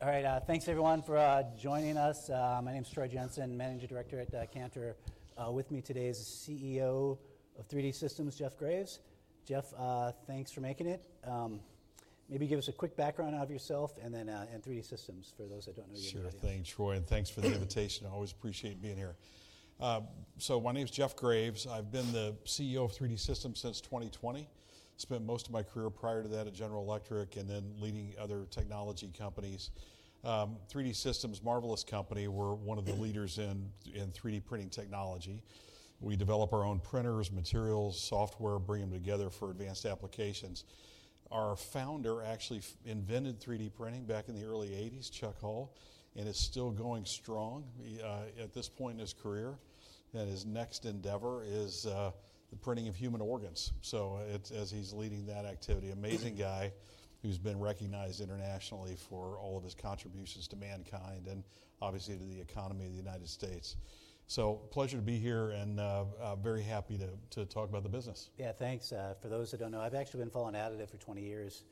All right, thanks everyone for joining us. My name is Troy Jensen, Managing Director at Cantor. With me today is the CEO of 3D Systems, Jeff Graves. Jeff, thanks for making it. Maybe give us a quick background of yourself and then 3D Systems, for those that don't know you already. Sure, thanks, Troy, and thanks for the invitation. I always appreciate being here. My name is Jeff Graves. I've been the CEO of 3D Systems since 2020. I spent most of my career prior to that at General Electric and then leading other technology companies. 3D Systems, marvelous company, we're one of the leaders in 3D printing technology. We develop our own printers, materials, software, bring them together for advanced applications. Our founder actually invented 3D printing back in the early 1980s, Chuck Hull, and is still going strong at this point in his career. His next endeavor is the printing of human organs. As he's leading that activity, amazing guy who's been recognized internationally for all of his contributions to mankind and obviously to the economy of the United States. Pleasure to be here and very happy to talk about the business. Yeah, thanks. For those that don't know, I've actually been following 3D Systems for 20 years,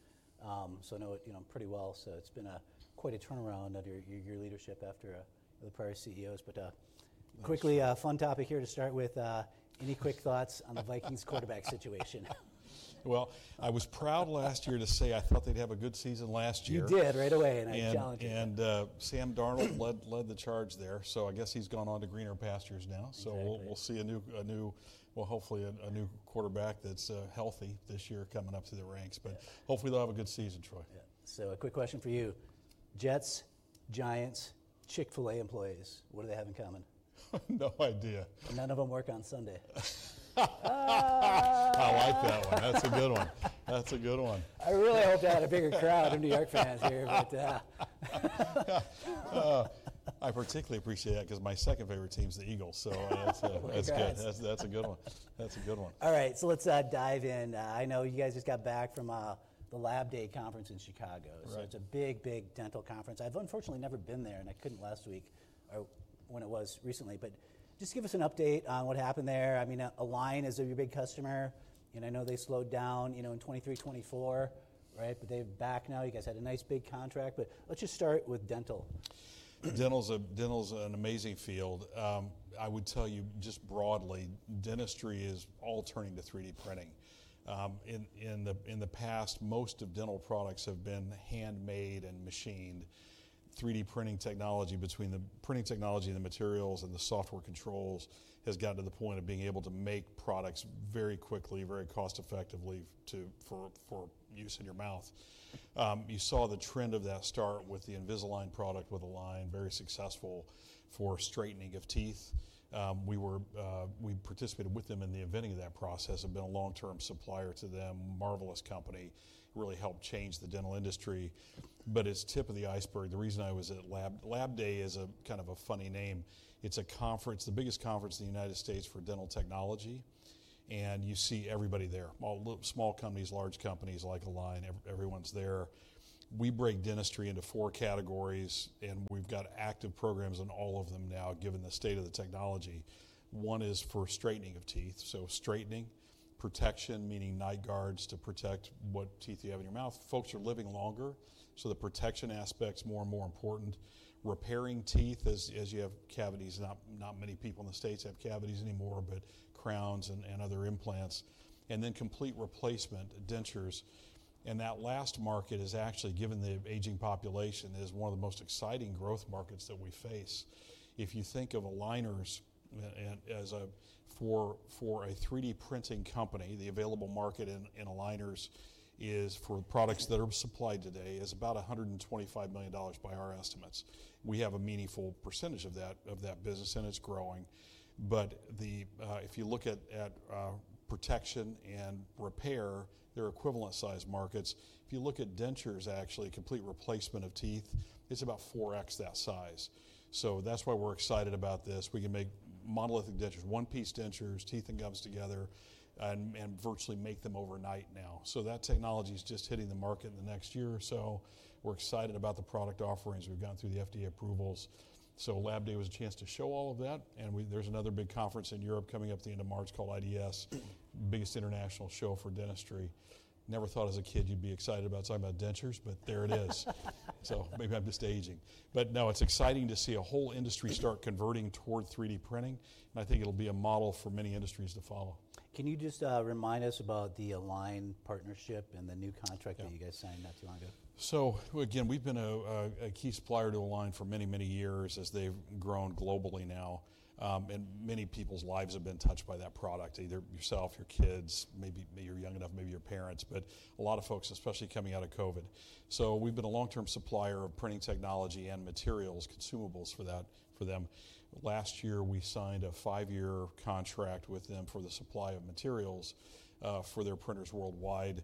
so I know it pretty well. It's been quite a turnaround of your leadership after the prior CEOs. Quickly, a fun topic here to start with. Any quick thoughts on the Vikings quarterback situation? I was proud last year to say I thought they'd have a good season last year. You did right away, and I challenged you. Sam Darnold led the charge there. I guess he's gone on to greener pastures now. We'll see a new, hopefully a new quarterback that's healthy this year coming up through the ranks. Hopefully they'll have a good season, Troy. A quick question for you. Jets, Giants, Chick-fil-A employees, what do they have in common? No idea. None of them work on Sunday. I like that one. That's a good one. I really hope they had a bigger crowd of New York fans here. I particularly appreciate that because my second favorite team's the Eagles. That's good. That's a good one. That's a good one. All right, so let's dive in. I know you guys just got back from the LAB DAY conference in Chicago. It is a big, big dental conference. I have unfortunately never been there, and I could not last week when it was recently. Just give us an update on what happened there. I mean, Align is a big customer. I know they slowed down in 2023, 2024, right? They are back now. You guys had a nice big contract. Let's just start with dental. Dental's an amazing field. I would tell you just broadly, dentistry is all turning to 3D printing. In the past, most of dental products have been handmade and machined. 3D printing technology between the printing technology and the materials and the software controls has gotten to the point of being able to make products very quickly, very cost-effectively for use in your mouth. You saw the trend of that start with the Invisalign product with Align, very successful for straightening of teeth. We participated with them in the inventing of that process. I've been a long-term supplier to them, marvelous company, really helped change the dental industry. It's tip of the iceberg. The reason I was at LAB DAY is a kind of a funny name. It's a conference, the biggest conference in the United States for dental technology. You see everybody there, all small companies, large companies like Align, everyone's there. We break dentistry into four categories, and we've got active programs in all of them now given the state of the technology. One is for straightening of teeth. Straightening, protection, meaning night guards to protect what teeth you have in your mouth. Folks are living longer, so the protection aspect's more and more important. Repairing teeth as you have cavities. Not many people in the U.S. have cavities anymore, but crowns and other implants. Complete replacement, dentures. That last market is actually, given the aging population, one of the most exciting growth markets that we face. If you think of Aligners as a 3D printing company, the available market in Aligners for products that are supplied today is about $125 million by our estimates. We have a meaningful percentage of that business, and it's growing. If you look at protection and repair, they're equivalent size markets. If you look at dentures, actually, complete replacement of teeth, it's about 4x that size. That's why we're excited about this. We can make monolithic dentures, one-piece dentures, teeth and gums together, and virtually make them overnight now. That technology's just hitting the market in the next year or so. We're excited about the product offerings. We've gone through the FDA approvals. LAB DAY was a chance to show all of that. There's another big conference in Europe coming up at the end of March called IDS, biggest international show for dentistry. Never thought as a kid you'd be excited about talking about dentures, but there it is. Maybe I'm just aging. No, it's exciting to see a whole industry start converting toward 3D printing. I think it'll be a model for many industries to follow. Can you just remind us about the Align partnership and the new contract that you guys signed not too long ago? We have been a key supplier to Align for many, many years as they have grown globally now. Many people's lives have been touched by that product, either yourself, your kids, maybe you are young enough, maybe your parents, but a lot of folks, especially coming out of COVID. We have been a long-term supplier of printing technology and materials, consumables for that for them. Last year, we signed a five-year contract with them for the supply of materials for their printers worldwide.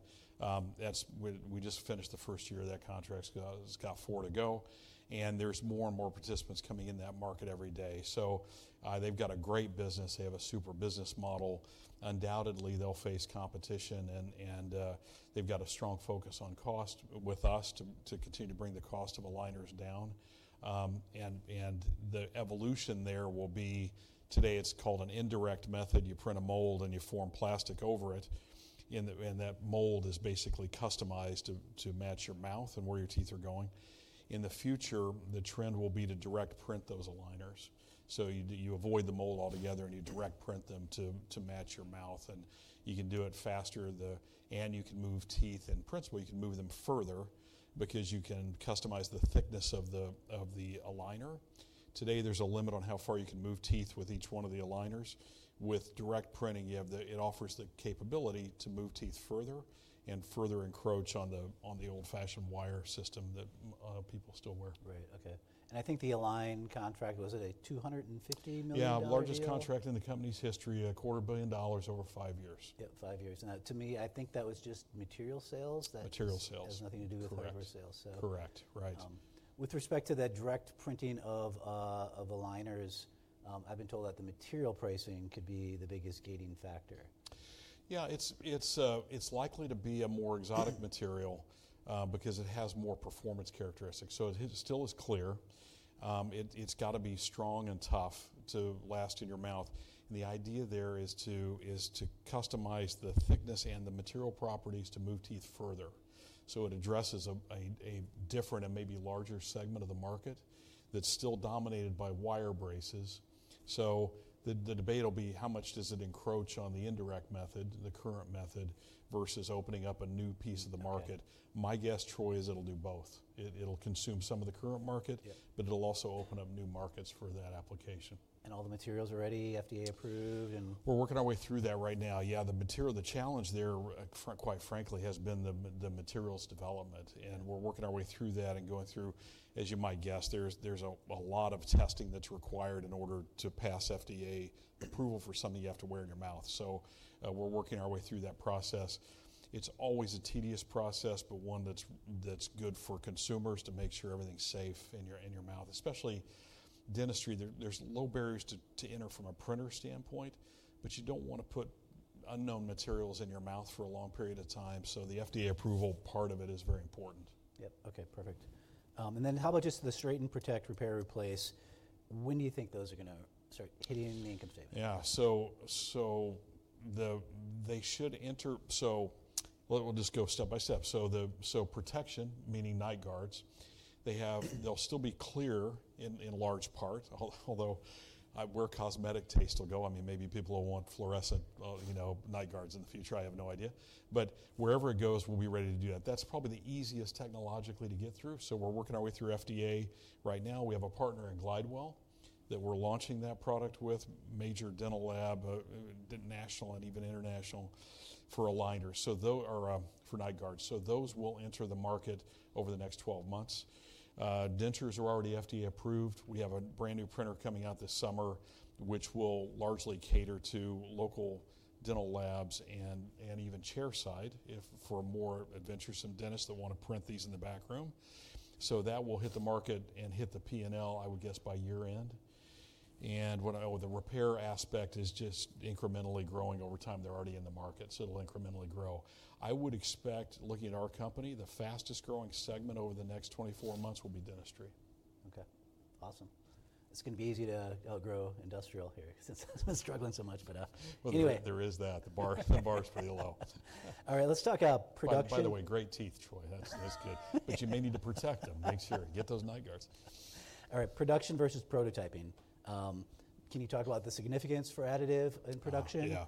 We just finished the first year of that contract. It has four to go. There are more and more participants coming in that market every day. They have a great business. They have a super business model. Undoubtedly, they will face competition. They have a strong focus on cost with us to continue to bring the cost of Aligners down. The evolution there will be today, it's called an indirect method. You print a mold and you form plastic over it. That mold is basically customized to match your mouth and where your teeth are going. In the future, the trend will be to direct print those Aligners. You avoid the mold altogether and you direct print them to match your mouth. You can do it faster. You can move teeth. In principle, you can move them further because you can customize the thickness of the Aligner. Today, there's a limit on how far you can move teeth with each one of the Aligners. With direct printing, it offers the capability to move teeth further and further encroach on the old-fashioned wire system that people still wear. Right, okay. I think the Align contract, was it $250 million? Yeah, largest contract in the company's history, a quarter billion dollars over five years. Yeah, five years. To me, I think that was just material sales. Material sales. That has nothing to do with hardware sales, so. Correct, right. With respect to that direct printing of aligners, I've been told that the material pricing could be the biggest gating factor. Yeah, it's likely to be a more exotic material because it has more performance characteristics. It still is clear. It's got to be strong and tough to last in your mouth. The idea there is to customize the thickness and the material properties to move teeth further. It addresses a different and maybe larger segment of the market that's still dominated by wire braces. The debate will be how much does it encroach on the indirect method, the current method versus opening up a new piece of the market. My guess, Troy, is it'll do both. It'll consume some of the current market, but it'll also open up new markets for that application. All the materials are ready, FDA approved. We're working our way through that right now. Yeah, the material, the challenge there, quite frankly, has been the materials development. We're working our way through that and going through, as you might guess, there's a lot of testing that's required in order to pass FDA approval for something you have to wear in your mouth. We're working our way through that process. It's always a tedious process, but one that's good for consumers to make sure everything's safe in your mouth. Especially dentistry, there's low barriers to enter from a printer standpoint, but you don't want to put unknown materials in your mouth for a long period of time. The FDA approval part of it is very important. Yep, okay, perfect. How about just the straighten, protect, repair, replace? When do you think those are going to start hitting the income statement? Yeah, so they should enter. We'll just go step by step. Protection, meaning night guards, they'll still be clear in large part, although where cosmetic taste will go, I mean, maybe people will want fluorescent night guards in the future. I have no idea. Wherever it goes, we'll be ready to do that. That's probably the easiest technologically to get through. We're working our way through FDA right now. We have a partner in Glidewell that we're launching that product with, major dental lab, national and even international for Aligners. Those are for night guards. Those will enter the market over the next 12 months. Dentures are already FDA approved. We have a brand new printer coming out this summer, which will largely cater to local dental labs and even chairside for more adventuresome dentists that want to print these in the back room. That will hit the market and hit the P&L, I would guess, by year end. The repair aspect is just incrementally growing over time. They're already in the market, so it'll incrementally grow. I would expect, looking at our company, the fastest growing segment over the next 24 months will be dentistry. Okay, awesome. It's going to be easy to outgrow industrial here since I've been struggling so much, but anyway. There is that. The bar is pretty low. All right, let's talk production. By the way, great teeth, Troy. That's good. You may need to protect them. Make sure. Get those night guards. All right, production versus prototyping. Can you talk about the significance for additive in production? Yeah.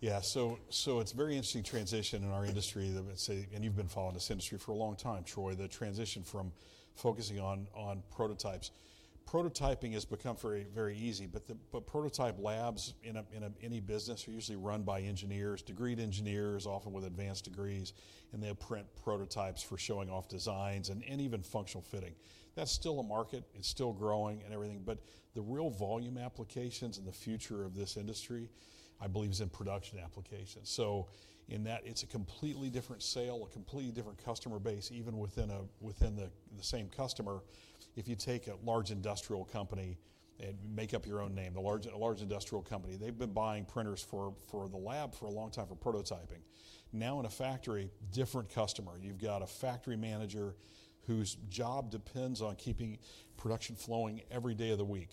Yeah, so it's a very interesting transition in our industry. You've been following this industry for a long time, Troy, the transition from focusing on prototypes. Prototyping has become very easy, but prototype labs in any business are usually run by engineers, degreed engineers, often with advanced degrees. They'll print prototypes for showing off designs and even functional fitting. That's still a market. It's still growing and everything. The real volume applications and the future of this industry, I believe, is in production applications. In that, it's a completely different sale, a completely different customer base, even within the same customer. If you take a large industrial company and make up your own name, a large industrial company, they've been buying printers for the lab for a long time for prototyping. Now in a factory, different customer. You've got a factory manager whose job depends on keeping production flowing every day of the week.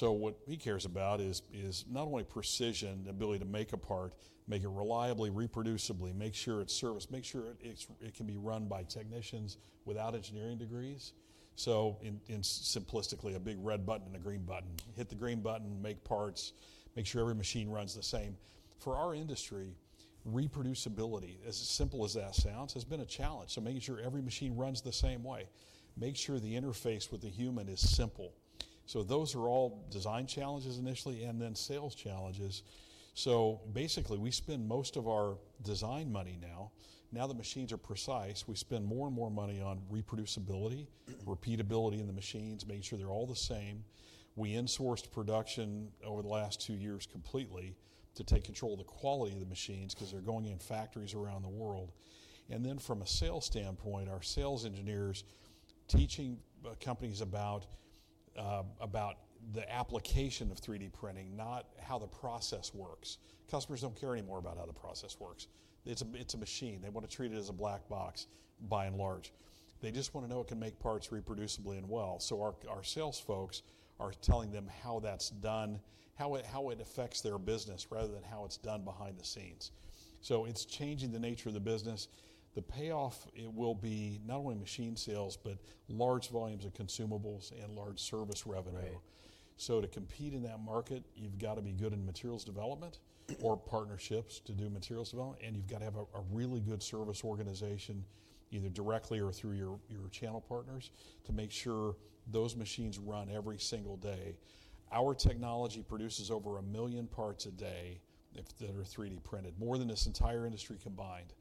What he cares about is not only precision, the ability to make a part, make it reliably, reproducibly, make sure it's serviced, make sure it can be run by technicians without engineering degrees. Simplistically, a big red button and a green button. Hit the green button, make parts, make sure every machine runs the same. For our industry, reproducibility, as simple as that sounds, has been a challenge. Making sure every machine runs the same way. Make sure the interface with the human is simple. Those are all design challenges initially and then sales challenges. Basically, we spend most of our design money now. Now that machines are precise, we spend more and more money on reproducibility, repeatability in the machines, making sure they're all the same. We insourced production over the last two years completely to take control of the quality of the machines because they're going in factories around the world. From a sales standpoint, our sales engineers teaching companies about the application of 3D printing, not how the process works. Customers don't care anymore about how the process works. It's a machine. They want to treat it as a black box by and large. They just want to know it can make parts reproducibly and well. Our sales folks are telling them how that's done, how it affects their business rather than how it's done behind the scenes. It's changing the nature of the business. The payoff will be not only machine sales, but large volumes of consumables and large service revenue. To compete in that market, you've got to be good in materials development or partnerships to do materials development. You've got to have a really good service organization, either directly or through your channel partners, to make sure those machines run every single day. Our technology produces over 1 million parts a day that are 3D printed, more than this entire industry combined.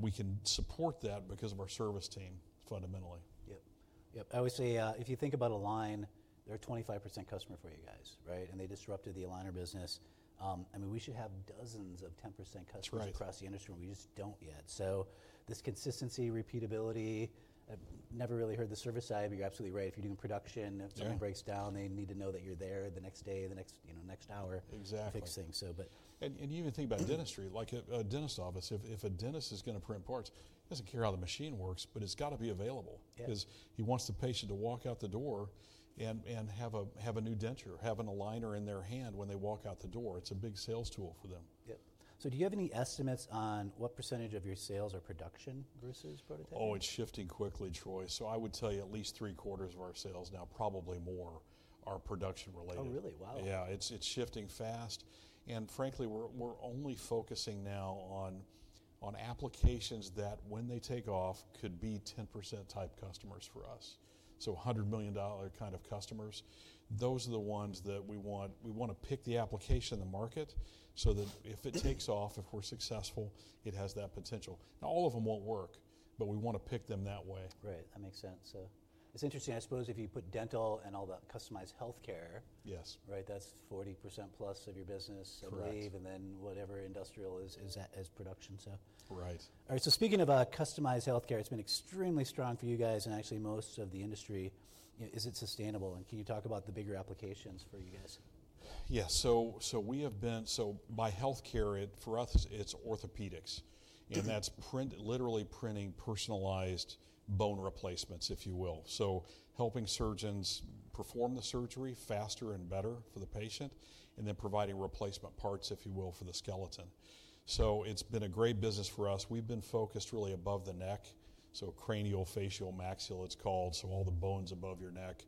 We can support that because of our service team, fundamentally. Yep, yep. I always say, if you think about Align, they're a 25% customer for you guys, right? They disrupted the Aligner business. I mean, we should have dozens of 10% customers across the industry, and we just don't yet. This consistency, repeatability, never really heard the service side, but you're absolutely right. If you're doing production, if something breaks down, they need to know that you're there the next day, the next hour fixing. Exactly. You even think about dentistry, like a dentist's office. If a dentist is going to print parts, he doesn't care how the machine works, but it's got to be available because he wants the patient to walk out the door and have a new denture, having a liner in their hand when they walk out the door. It's a big sales tool for them. Yep. Do you have any estimates on what percentage of your sales are production versus prototyping? Oh, it's shifting quickly, Troy. I would tell you at least three quarters of our sales now, probably more, are production related. Oh, really? Wow. Yeah, it's shifting fast. Frankly, we're only focusing now on applications that, when they take off, could be 10% type customers for us. So $100 million kind of customers. Those are the ones that we want. We want to pick the application in the market so that if it takes off, if we're successful, it has that potential. Now, all of them won't work, but we want to pick them that way. Right, that makes sense. It's interesting, I suppose, if you put dental and all that customized healthcare, right, that's 40%+ of your business, of Leigh, and then whatever industrial is production, so. Right. All right, so speaking of customized healthcare, it's been extremely strong for you guys and actually most of the industry. Is it sustainable? Can you talk about the bigger applications for you guys? Yeah, we have been, so by healthcare, for us, it's orthopedics. And that's literally printing personalized bone replacements, if you will. So helping surgeons perform the surgery faster and better for the patient and then providing replacement parts, if you will, for the skeleton. It's been a great business for us. We've been focused really above the neck, so cranial, facial, maxilla, it's called, so all the bones above your neck.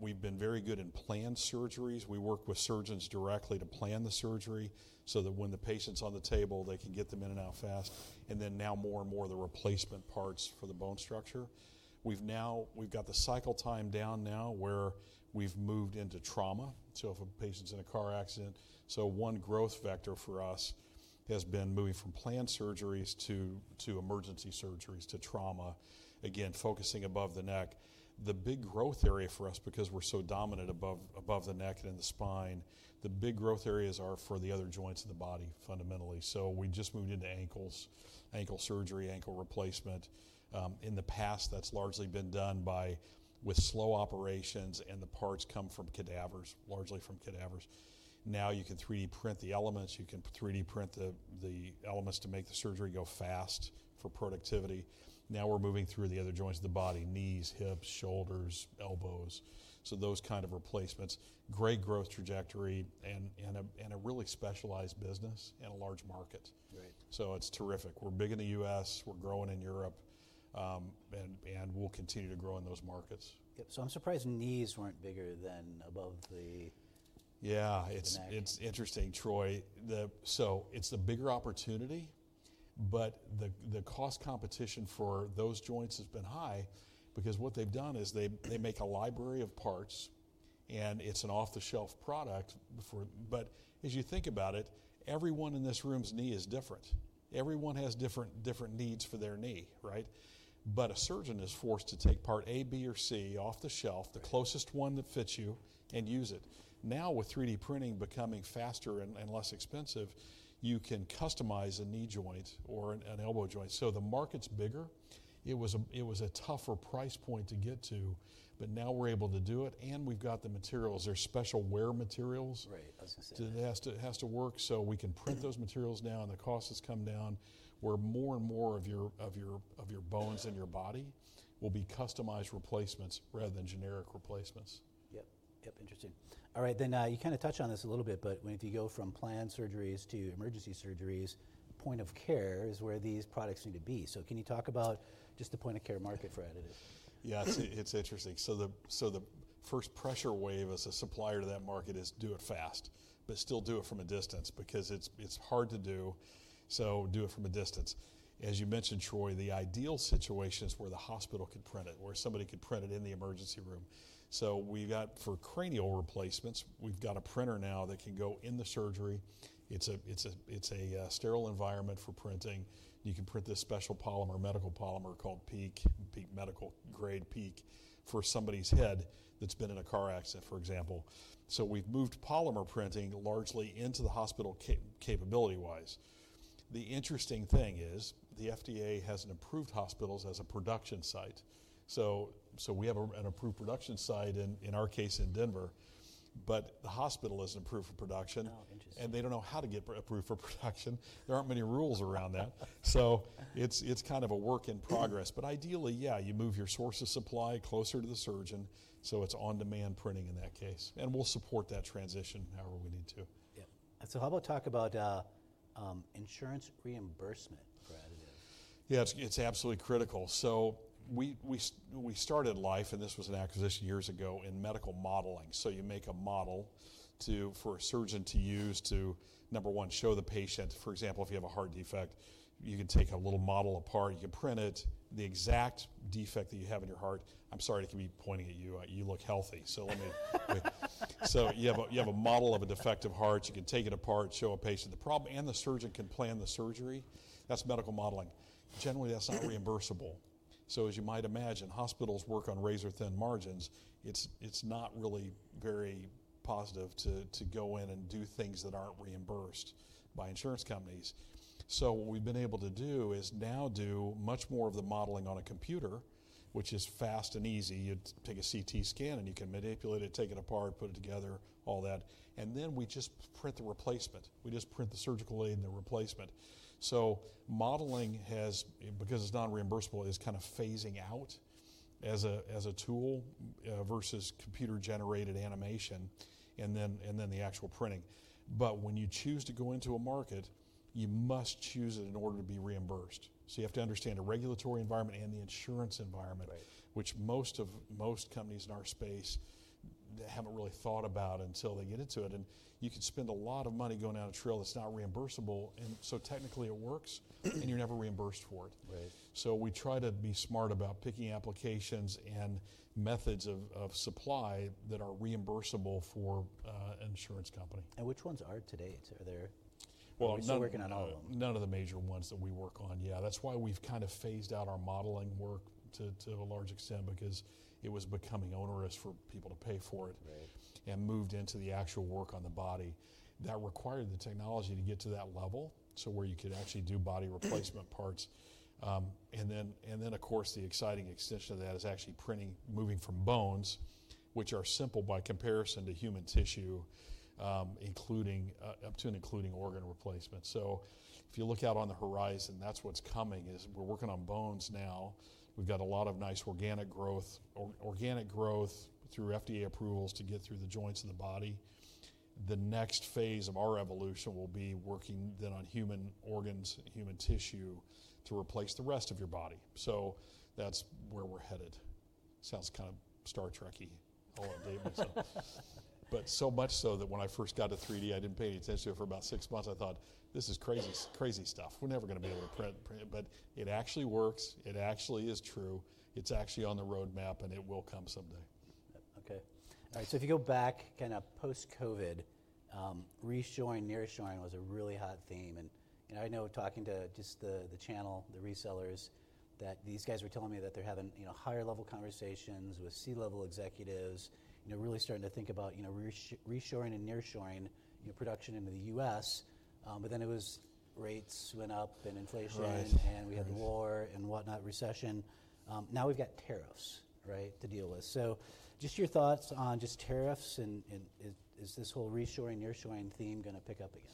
We've been very good in planned surgeries. We work with surgeons directly to plan the surgery so that when the patient's on the table, they can get them in and out fast. Now more and more the replacement parts for the bone structure. We've got the cycle time down now where we've moved into trauma. If a patient's in a car accident, one growth vector for us has been moving from planned surgeries to emergency surgeries to trauma, again, focusing above the neck. The big growth area for us, because we're so dominant above the neck and in the spine, the big growth areas are for the other joints of the body, fundamentally. We just moved into ankles, ankle surgery, ankle replacement. In the past, that's largely been done with slow operations, and the parts come from cadavers, largely from cadavers. Now you can 3D print the elements. You can 3D print the elements to make the surgery go fast for productivity. Now we're moving through the other joints of the body: knees, hips, shoulders, elbows. Those kind of replacements, great growth trajectory and a really specialized business and a large market. It's terrific. We're big in the U.S. We're growing in Europe. We'll continue to grow in those markets. Yep, so I'm surprised knees weren't bigger than above the neck. Yeah, it's interesting, Troy. It is the bigger opportunity, but the cost competition for those joints has been high because what they've done is they make a library of parts, and it's an off-the-shelf product. As you think about it, everyone in this room's knee is different. Everyone has different needs for their knee, right? A surgeon is forced to take part A, B, or C off the shelf, the closest one that fits you, and use it. Now, with 3D printing becoming faster and less expensive, you can customize a knee joint or an elbow joint. The market's bigger. It was a tougher price point to get to, but now we're able to do it, and we've got the materials. There's special wear materials. Right, I was going to say that. It has to work. We can print those materials now, and the cost has come down where more and more of your bones and your body will be customized replacements rather than generic replacements. Yep, yep, interesting. All right, you kind of touched on this a little bit, but when you go from planned surgeries to emergency surgeries, point of care is where these products need to be. Can you talk about just the point of care market for additive? Yeah, it's interesting. The first pressure wave as a supplier to that market is do it fast, but still do it from a distance because it's hard to do. Do it from a distance. As you mentioned, Troy, the ideal situation is where the hospital could print it, where somebody could print it in the emergency room. We've got for cranial replacements, we've got a printer now that can go in the surgery. It's a sterile environment for printing. You can print this special polymer, medical polymer called PEEK, PEEK medical grade PEEK, for somebody's head that's been in a car accident, for example. We've moved polymer printing largely into the hospital capability-wise. The interesting thing is the FDA hasn't approved hospitals as a production site. We have an approved production site in our case in Denver, but the hospital isn't approved for production. Oh, interesting. They don't know how to get approved for production. There aren't many rules around that. It's kind of a work in progress. Ideally, you move your source of supply closer to the surgeon. It's on-demand printing in that case. We'll support that transition however we need to. Yep. How about talk about insurance reimbursement for additive? Yeah, it's absolutely critical. We started life, and this was an acquisition years ago, in medical modeling. You make a model for a surgeon to use to, number one, show the patient, for example, if you have a heart defect, you can take a little model apart. You can print it, the exact defect that you have in your heart. I'm sorry to be pointing at you. You look healthy. You have a model of a defective heart. You can take it apart, show a patient the problem, and the surgeon can plan the surgery. That's medical modeling. Generally, that's not reimbursable. As you might imagine, hospitals work on razor-thin margins. It's not really very positive to go in and do things that aren't reimbursed by insurance companies. What we've been able to do is now do much more of the modeling on a computer, which is fast and easy. You take a CT scan, and you can manipulate it, take it apart, put it together, all that. Then we just print the replacement. We just print the surgical aid and the replacement. Modeling, because it's non-reimbursable, is kind of phasing out as a tool versus computer-generated animation and then the actual printing. When you choose to go into a market, you must choose it in order to be reimbursed. You have to understand a regulatory environment and the insurance environment, which most companies in our space haven't really thought about until they get into it. You can spend a lot of money going down a trail that's not reimbursable. Technically, it works, and you're never reimbursed for it. We try to be smart about picking applications and methods of supply that are reimbursable for an insurance company. Which ones are today? Are there? Well. You're not working on all of them. None of the major ones that we work on, yeah. That's why we've kind of phased out our modeling work to a large extent because it was becoming onerous for people to pay for it and moved into the actual work on the body. That required the technology to get to that level where you could actually do body replacement parts. Of course, the exciting extension of that is actually printing, moving from bones, which are simple by comparison to human tissue, up to and including organ replacement. If you look out on the horizon, that's what's coming is we're working on bones now. We've got a lot of nice organic growth, organic growth through FDA approvals to get through the joints of the body. The next phase of our evolution will be working then on human organs, human tissue to replace the rest of your body. That is where we are headed. Sounds kind of Star Trek, all I'm doing is, but so much so that when I first got to 3D, I did not pay any attention to it for about six months. I thought, "This is crazy stuff. We are never going to be able to print." It actually works. It actually is true. It is actually on the roadmap, and it will come someday. Okay. All right, so if you go back kind of post-COVID, reshoring, nearshoring was a really hot theme. I know talking to just the channel, the resellers, that these guys were telling me that they're having higher-level conversations with C-level executives, really starting to think about reshoring and nearshoring production into the U.S. Then it was rates went up and inflation, and we had the war and whatnot, recession. Now we've got tariffs, right, to deal with. Just your thoughts on just tariffs and is this whole reshoring, nearshoring theme going to pick up again?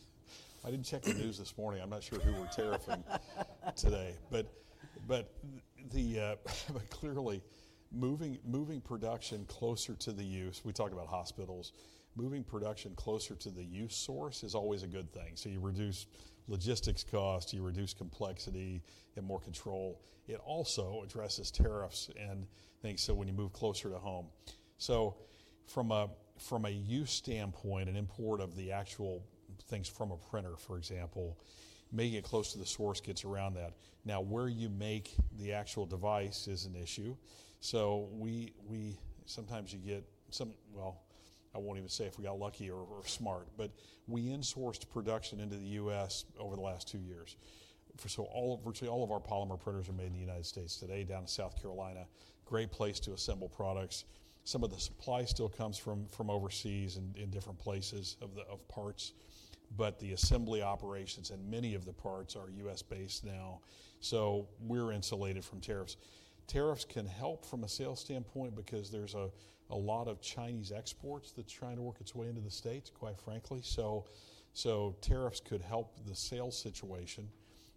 I didn't check the news this morning. I'm not sure who we're tariffing today. Clearly, moving production closer to the use, we talk about hospitals, moving production closer to the use source is always a good thing. You reduce logistics costs, you reduce complexity, you have more control. It also addresses tariffs and things when you move closer to home. From a use standpoint, an import of the actual things from a printer, for example, making it close to the source gets around that. Now, where you make the actual device is an issue. Sometimes you get some, I won't even say if we got lucky or smart, but we insourced production into the U.S. over the last two years. Virtually all of our polymer printers are made in the United States today, down in South Carolina, great place to assemble products. Some of the supply still comes from overseas and different places of parts. But the assembly operations and many of the parts are US-based now. So we're insulated from tariffs. Tariffs can help from a sales standpoint because there's a lot of Chinese exports that's trying to work its way into the States, quite frankly. So tariffs could help the sales situation.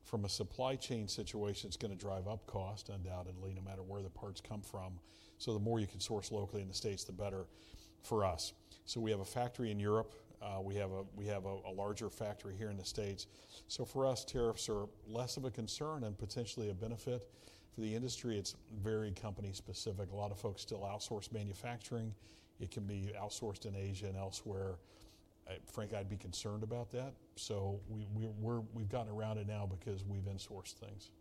From a supply chain situation, it's going to drive up cost, undoubtedly, no matter where the parts come from. So the more you can source locally in the States, the better for us. So we have a factory in Europe. We have a larger factory here in the States. So for us, tariffs are less of a concern and potentially a benefit for the industry. It's very company-specific. A lot of folks still outsource manufacturing. It can be outsourced in Asia and elsewhere. Frank, I'd be concerned about that. We've gotten around it now because we've insourced things.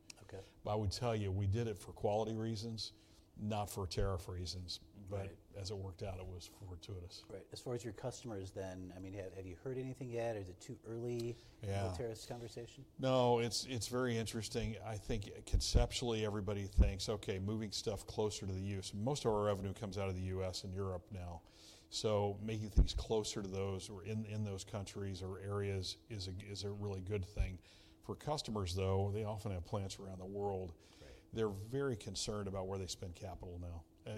I would tell you, we did it for quality reasons, not for tariff reasons. As it worked out, it was fortuitous. Right. As far as your customers then, I mean, have you heard anything yet? Is it too early for a tariffs conversation? No, it's very interesting. I think conceptually, everybody thinks, "Okay, moving stuff closer to the use." Most of our revenue comes out of the U.S. and Europe now. Making things closer to those or in those countries or areas is a really good thing. For customers, though, they often have plants around the world. They're very concerned about where they spend capital now.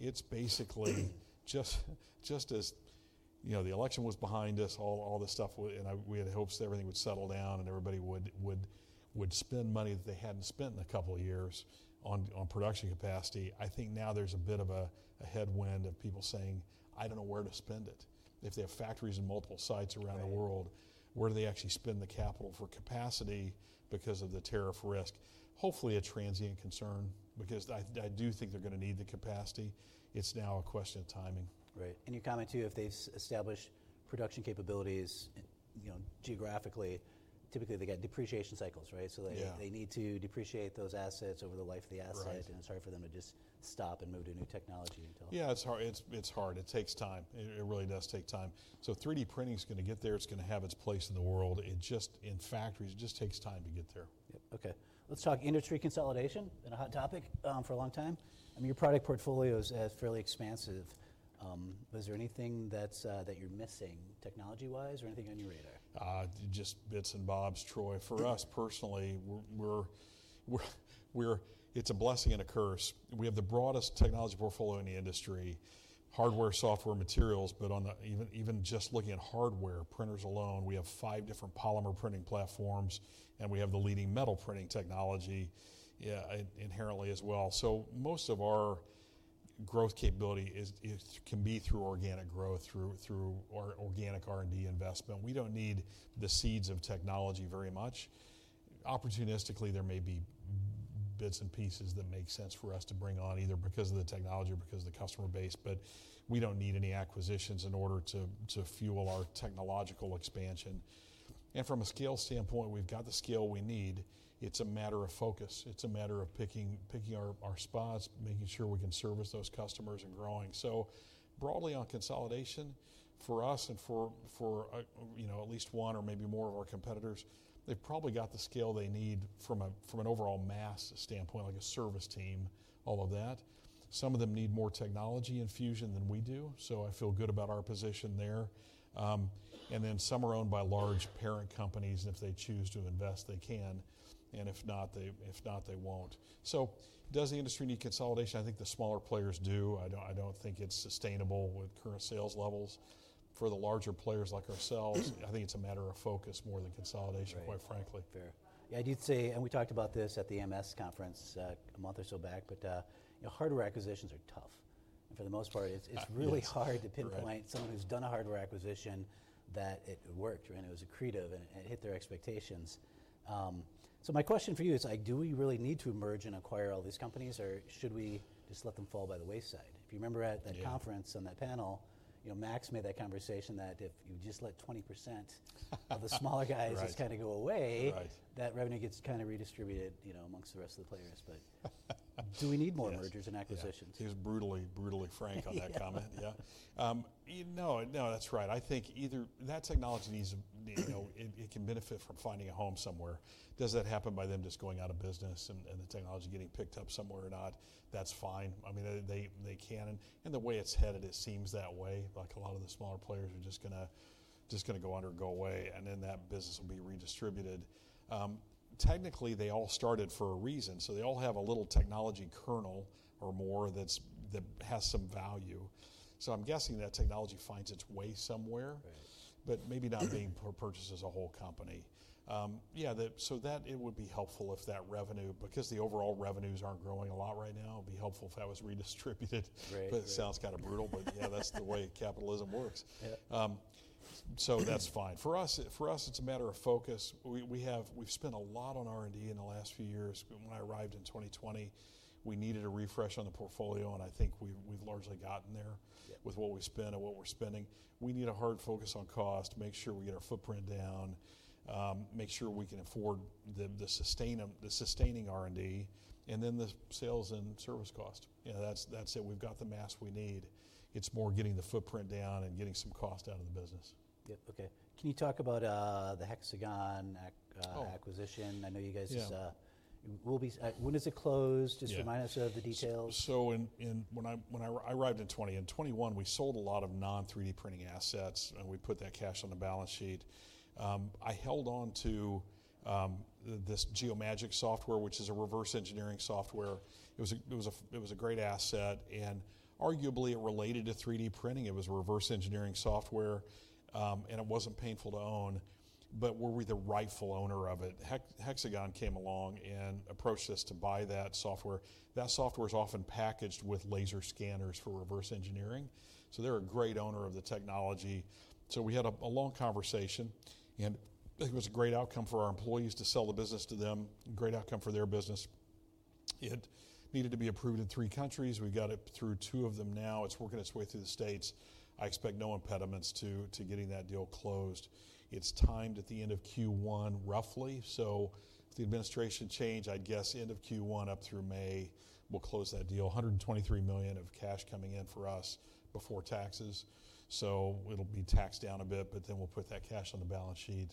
It's basically just as the election was behind us, all this stuff, and we had hopes that everything would settle down and everybody would spend money that they hadn't spent in a couple of years on production capacity. I think now there's a bit of a headwind of people saying, "I don't know where to spend it." If they have factories in multiple sites around the world, where do they actually spend the capital for capacity because of the tariff risk? Hopefully, a transient concern because I do think they're going to need the capacity. It's now a question of timing. Right. Your comment too, if they establish production capabilities geographically, typically they get depreciation cycles, right? They need to depreciate those assets over the life of the asset. It is hard for them to just stop and move to new technology until. Yeah, it's hard. It takes time. It really does take time. 3D printing is going to get there. It's going to have its place in the world. In factories, it just takes time to get there. Yep. Okay. Let's talk industry consolidation. Been a hot topic for a long time. I mean, your product portfolio is fairly expansive. Is there anything that you're missing technology-wise or anything on your radar? Just bits-and-bobs, Troy. For us personally, it's a blessing and a curse. We have the broadest technology portfolio in the industry: hardware, software, materials. Even just looking at hardware, printers alone, we have five different polymer printing platforms, and we have the leading metal printing technology inherently as well. Most of our growth capability can be through organic growth, through organic R&D investment. We don't need the seeds of technology very much. Opportunistically, there may be bits and pieces that make sense for us to bring on either because of the technology or because of the customer base. We don't need any acquisitions in order to fuel our technological expansion. From a scale standpoint, we've got the scale we need. It's a matter of focus. It's a matter of picking our spots, making sure we can service those customers and growing. Broadly on consolidation, for us and for at least one or maybe more of our competitors, they've probably got the scale they need from an overall mass standpoint, like a service team, all of that. Some of them need more technology infusion than we do. I feel good about our position there. Some are owned by large parent companies. If they choose to invest, they can. If not, they won't. Does the industry need consolidation? I think the smaller players do. I don't think it's sustainable with current sales levels. For the larger players like ourselves, I think it's a matter of focus more than consolidation, quite frankly. Fair. Yeah, I do say, and we talked about this at the MS conference a month or so back, but hardware acquisitions are tough. For the most part, it's really hard to pinpoint someone who's done a hardware acquisition that it worked and it was accretive and it hit their expectations. My question for you is, do we really need to merge and acquire all these companies, or should we just let them fall by the wayside? If you remember at that conference on that panel, Max made that conversation that if you just let 20% of the smaller guys kind of go away, that revenue gets kind of redistributed amongst the rest of the players. Do we need more mergers and acquisitions? He was brutally frank on that comment. Yeah. No, no, that's right. I think either that technology needs to, it can benefit from finding a home somewhere. Does that happen by them just going out of business and the technology getting picked up somewhere or not? That's fine. I mean, they can. The way it's headed, it seems that way. Like a lot of the smaller players are just going to go under and go away, and then that business will be redistributed. Technically, they all started for a reason. So they all have a little technology kernel or more that has some value. I'm guessing that technology finds its way somewhere, but maybe not being purchased as a whole company. Yeah, so that it would be helpful if that revenue, because the overall revenues aren't growing a lot right now, it would be helpful if that was redistributed. It sounds kind of brutal, but yeah, that's the way capitalism works. That's fine. For us, it's a matter of focus. We've spent a lot on R&D in the last few years. When I arrived in 2020, we needed a refresh on the portfolio, and I think we've largely gotten there with what we spend and what we're spending. We need a hard focus on cost, make sure we get our footprint down, make sure we can afford the sustaining R&D, and then the sales and service cost. That's it. We've got the mass we need. It's more getting the footprint down and getting some cost out of the business. Yep. Okay. Can you talk about the Hexagon acquisition? I know you guys just, when is it closed? Just remind us of the details. When I arrived in 2020, in 2021, we sold a lot of non-3D printing assets, and we put that cash on the balance sheet. I held on to this Geomagic software, which is a reverse engineering software. It was a great asset, and arguably it related to 3D printing. It was a reverse engineering software, and it was not painful to own. Were we the rightful owner of it? Hexagon came along and approached us to buy that software. That software is often packaged with laser scanners for reverse engineering. They are a great owner of the technology. We had a long conversation, and it was a great outcome for our employees to sell the business to them, a great outcome for their business. It needed to be approved in three countries. We got it through two of them now. It is working its way through the States. I expect no impediments to getting that deal closed. It's timed at the end of Q1, roughly. If the administration changed, I'd guess end of Q1 up through May, we'll close that deal. $123 million of cash coming in for us before taxes. It'll be taxed down a bit, but then we'll put that cash on the balance sheet,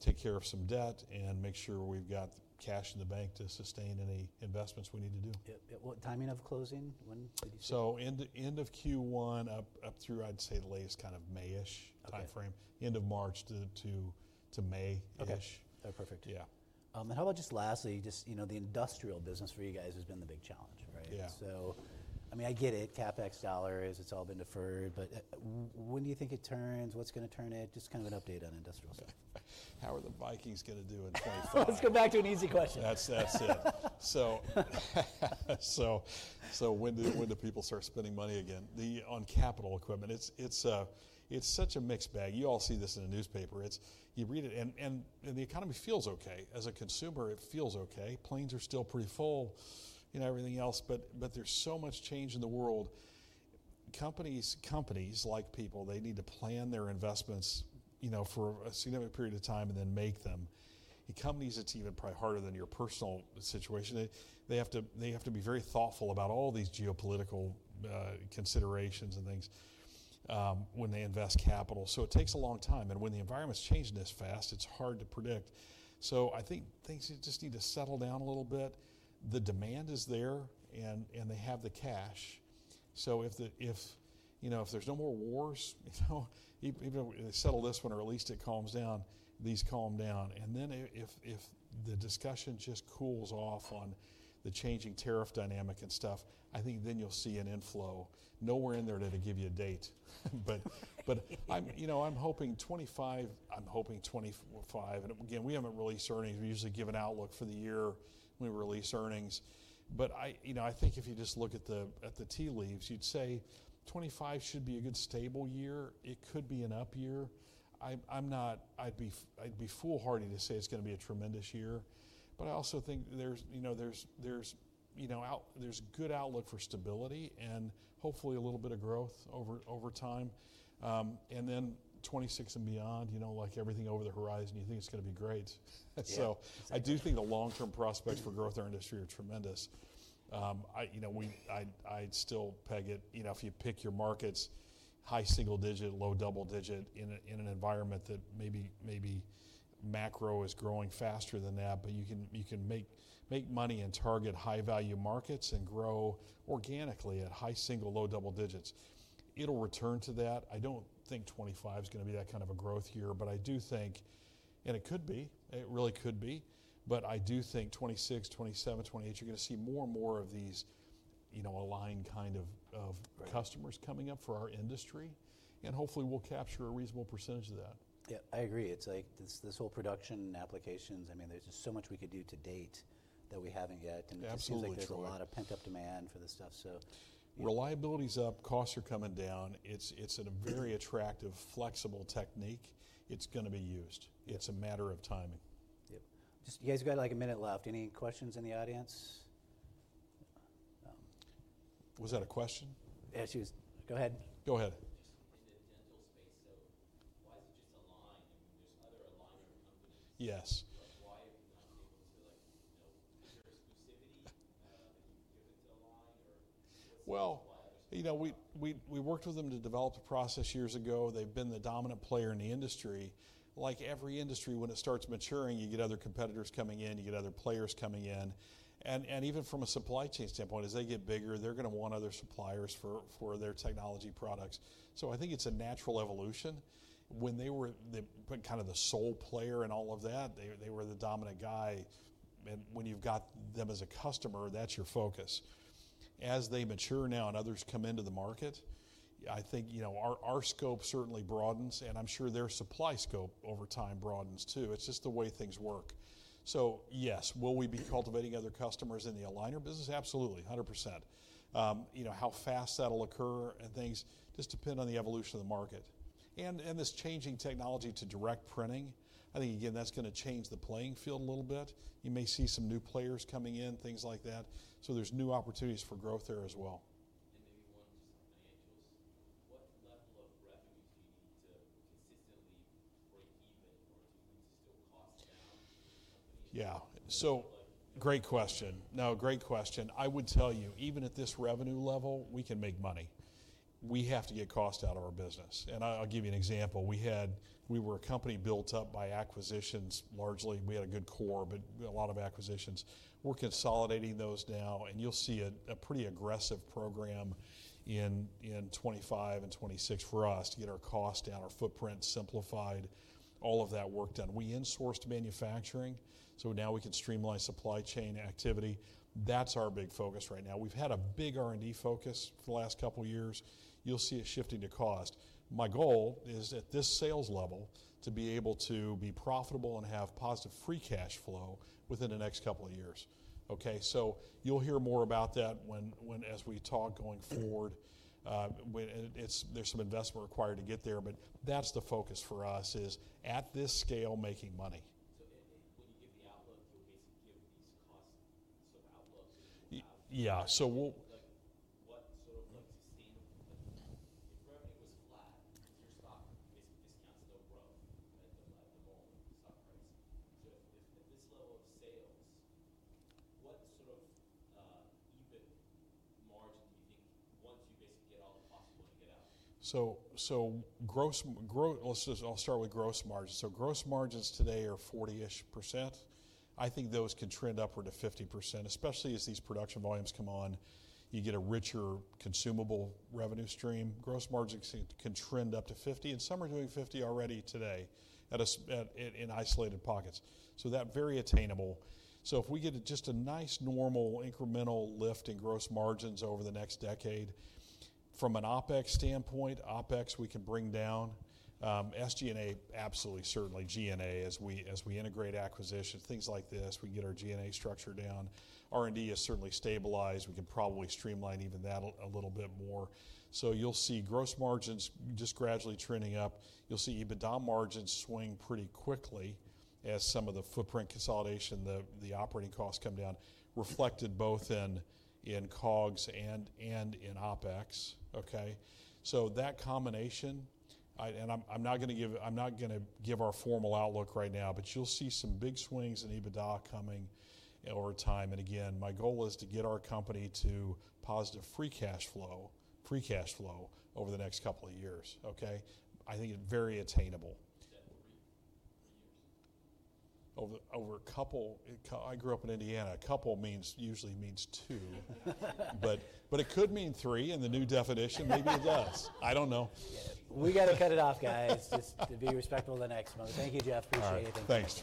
take care of some debt, and make sure we've got cash in the bank to sustain any investments we need to do. Yep. Yep. What timing of closing? When did you say? End of Q1 up through, I'd say, the latest kind of May-ish timeframe, end of March to May-ish. Okay. Perfect. How about just lastly, just the industrial business for you guys has been the big challenge, right? I mean, I get it, CapEx dollars, it's all been deferred, but when do you think it turns? What's going to turn it? Just kind of an update on industrial stuff. How are the Vikings going to do in 2025? Let's go back to an easy question. That's it. When do people start spending money again? On capital equipment, it's such a mixed bag. You all see this in the newspaper. You read it, and the economy feels okay. As a consumer, it feels okay. Planes are still pretty full and everything else, but there's so much change in the world. Companies, like people, need to plan their investments for a significant period of time and then make them. In companies, it's even probably harder than your personal situation. They have to be very thoughtful about all these geopolitical considerations and things when they invest capital. It takes a long time. When the environment's changing this fast, it's hard to predict. I think things just need to settle down a little bit. The demand is there, and they have the cash. If there's no more wars, even if they settle this one or at least it calms down, these calm down. If the discussion just cools off on the changing tariff dynamic and stuff, I think then you'll see an inflow. Nowhere in there did I give you a date. I'm hoping 2025, I'm hoping 2025. Again, we haven't released earnings. We usually give an outlook for the year when we release earnings. I think if you just look at the tea leaves, you'd say 2025 should be a good stable year. It could be an up year. I'd be foolhardy to say it's going to be a tremendous year. I also think there's good outlook for stability and hopefully a little bit of growth over time. Then 2026 and beyond, like everything over the horizon, you think it's going to be great. I do think the long-term prospects for growth in our industry are tremendous. I'd still peg it, if you pick your markets, high single digit, low double digit in an environment that maybe macro is growing faster than that, but you can make money and target high-value markets and grow organically at high single, low double digits. It'll return to that. I don't think 2025 is going to be that kind of a growth year, but I do think, and it could be, it really could be, but I do think 2026, 2027, 2028, you're going to see more and more of these aligned kind of customers coming up for our industry. Hopefully we'll capture a reasonable percentage of that. Yeah, I agree. It's like this whole production applications, I mean, there's just so much we could do to date that we haven't yet. It seems like there's a lot of pent-up demand for this stuff. Reliability's up, costs are coming down. It's a very attractive, flexible technique. It's going to be used. It's a matter of timing. Yep. You guys got like a minute left. Any questions in the audience? Was that a question? Yeah, she was, go ahead. Go ahead. Just in the dental space, why is it just Align? I mean, there's other Aligner companies. Yes. Why have you not been able to, you know, is there exclusivity that you've given to Align, or what's the reason why others? We worked with them to develop a process years ago. They've been the dominant player in the industry. Like every industry, when it starts maturing, you get other competitors coming in, you get other players coming in. Even from a supply chain standpoint, as they get bigger, they're going to want other suppliers for their technology products. I think it's a natural evolution. When they were kind of the sole player in all of that, they were the dominant guy. When you've got them as a customer, that's your focus. As they mature now and others come into the market, I think our scope certainly broadens, and I'm sure their supply scope over time broadens too. It's just the way things work. Yes, will we be cultivating other customers in the Aligner business? Absolutely, 100%. How fast that'll occur and things just depend on the evolution of the market. This changing technology to direct printing, I think, again, that's going to change the playing field a little bit. You may see some new players coming in, things like that. There's new opportunities for growth there as well. Maybe one just on financials. What level of revenue do you need to consistently break even or to still cost down for your company? Yeah. Great question. No, great question. I would tell you, even at this revenue level, we can make money. We have to get cost out of our business. I'll give you an example. We were a company built up by acquisitions largely. We had a good core, but a lot of acquisitions. We're consolidating those now, and you'll see a pretty aggressive program in 2025 and 2026 for us to get our cost down, our footprint simplified, all of that work done. We insourced manufacturing, so now we can streamline supply chain activity. That's our big focus right now. We've had a big R&D focus for the last couple of years. You'll see a shifting to cost. My goal is at this sales level to be able to be profitable and have positive free cash flow within the next couple of years. Okay? You'll hear more about that as we talk going forward. There's some investment required to get there, but that's the focus for us is at this scale making money. When you give the outlook, you'll basically give these cost sort of outlooks. Yeah. So we'll. What sort of sustainable, if revenue was flat, because your stock basically discounts no growth at the moment, stock price, so at this level of sales, what sort of EBIT margin do you think once you basically get all the costs you want to get out? Gross, I'll start with gross margin. Gross margins today are 40-ish %. I think those can trend upward to 50%, especially as these production volumes come on. You get a richer consumable revenue stream. Gross margins can trend up to 50%, and some are doing 50% already today in isolated pockets. That is very attainable. If we get just a nice normal incremental lift in gross margins over the next decade from an OpEx standpoint, OpEx we can bring down. SG&A, absolutely, certainly G&A as we integrate acquisitions, things like this. We get our G&A structure down. R&D has certainly stabilized. We can probably streamline even that a little bit more. You'll see gross margins just gradually trending up. You'll see EBITDA margins swing pretty quickly as some of the footprint consolidation, the operating costs come down, reflected both in COGS and in OpEx. Okay? That combination, and I'm not going to give our formal outlook right now, but you'll see some big swings in EBITDA coming over time. Again, my goal is to get our company to positive free cash flow over the next couple of years. Okay? I think very attainable. Is that three years? Over a couple, I grew up in Indiana. A couple usually means two, but it could mean three in the new definition. Maybe it does. I don't know. We got to cut it off, guys, just to be respectful of the next one. Thank you, Jeff. Appreciate it. Thank you.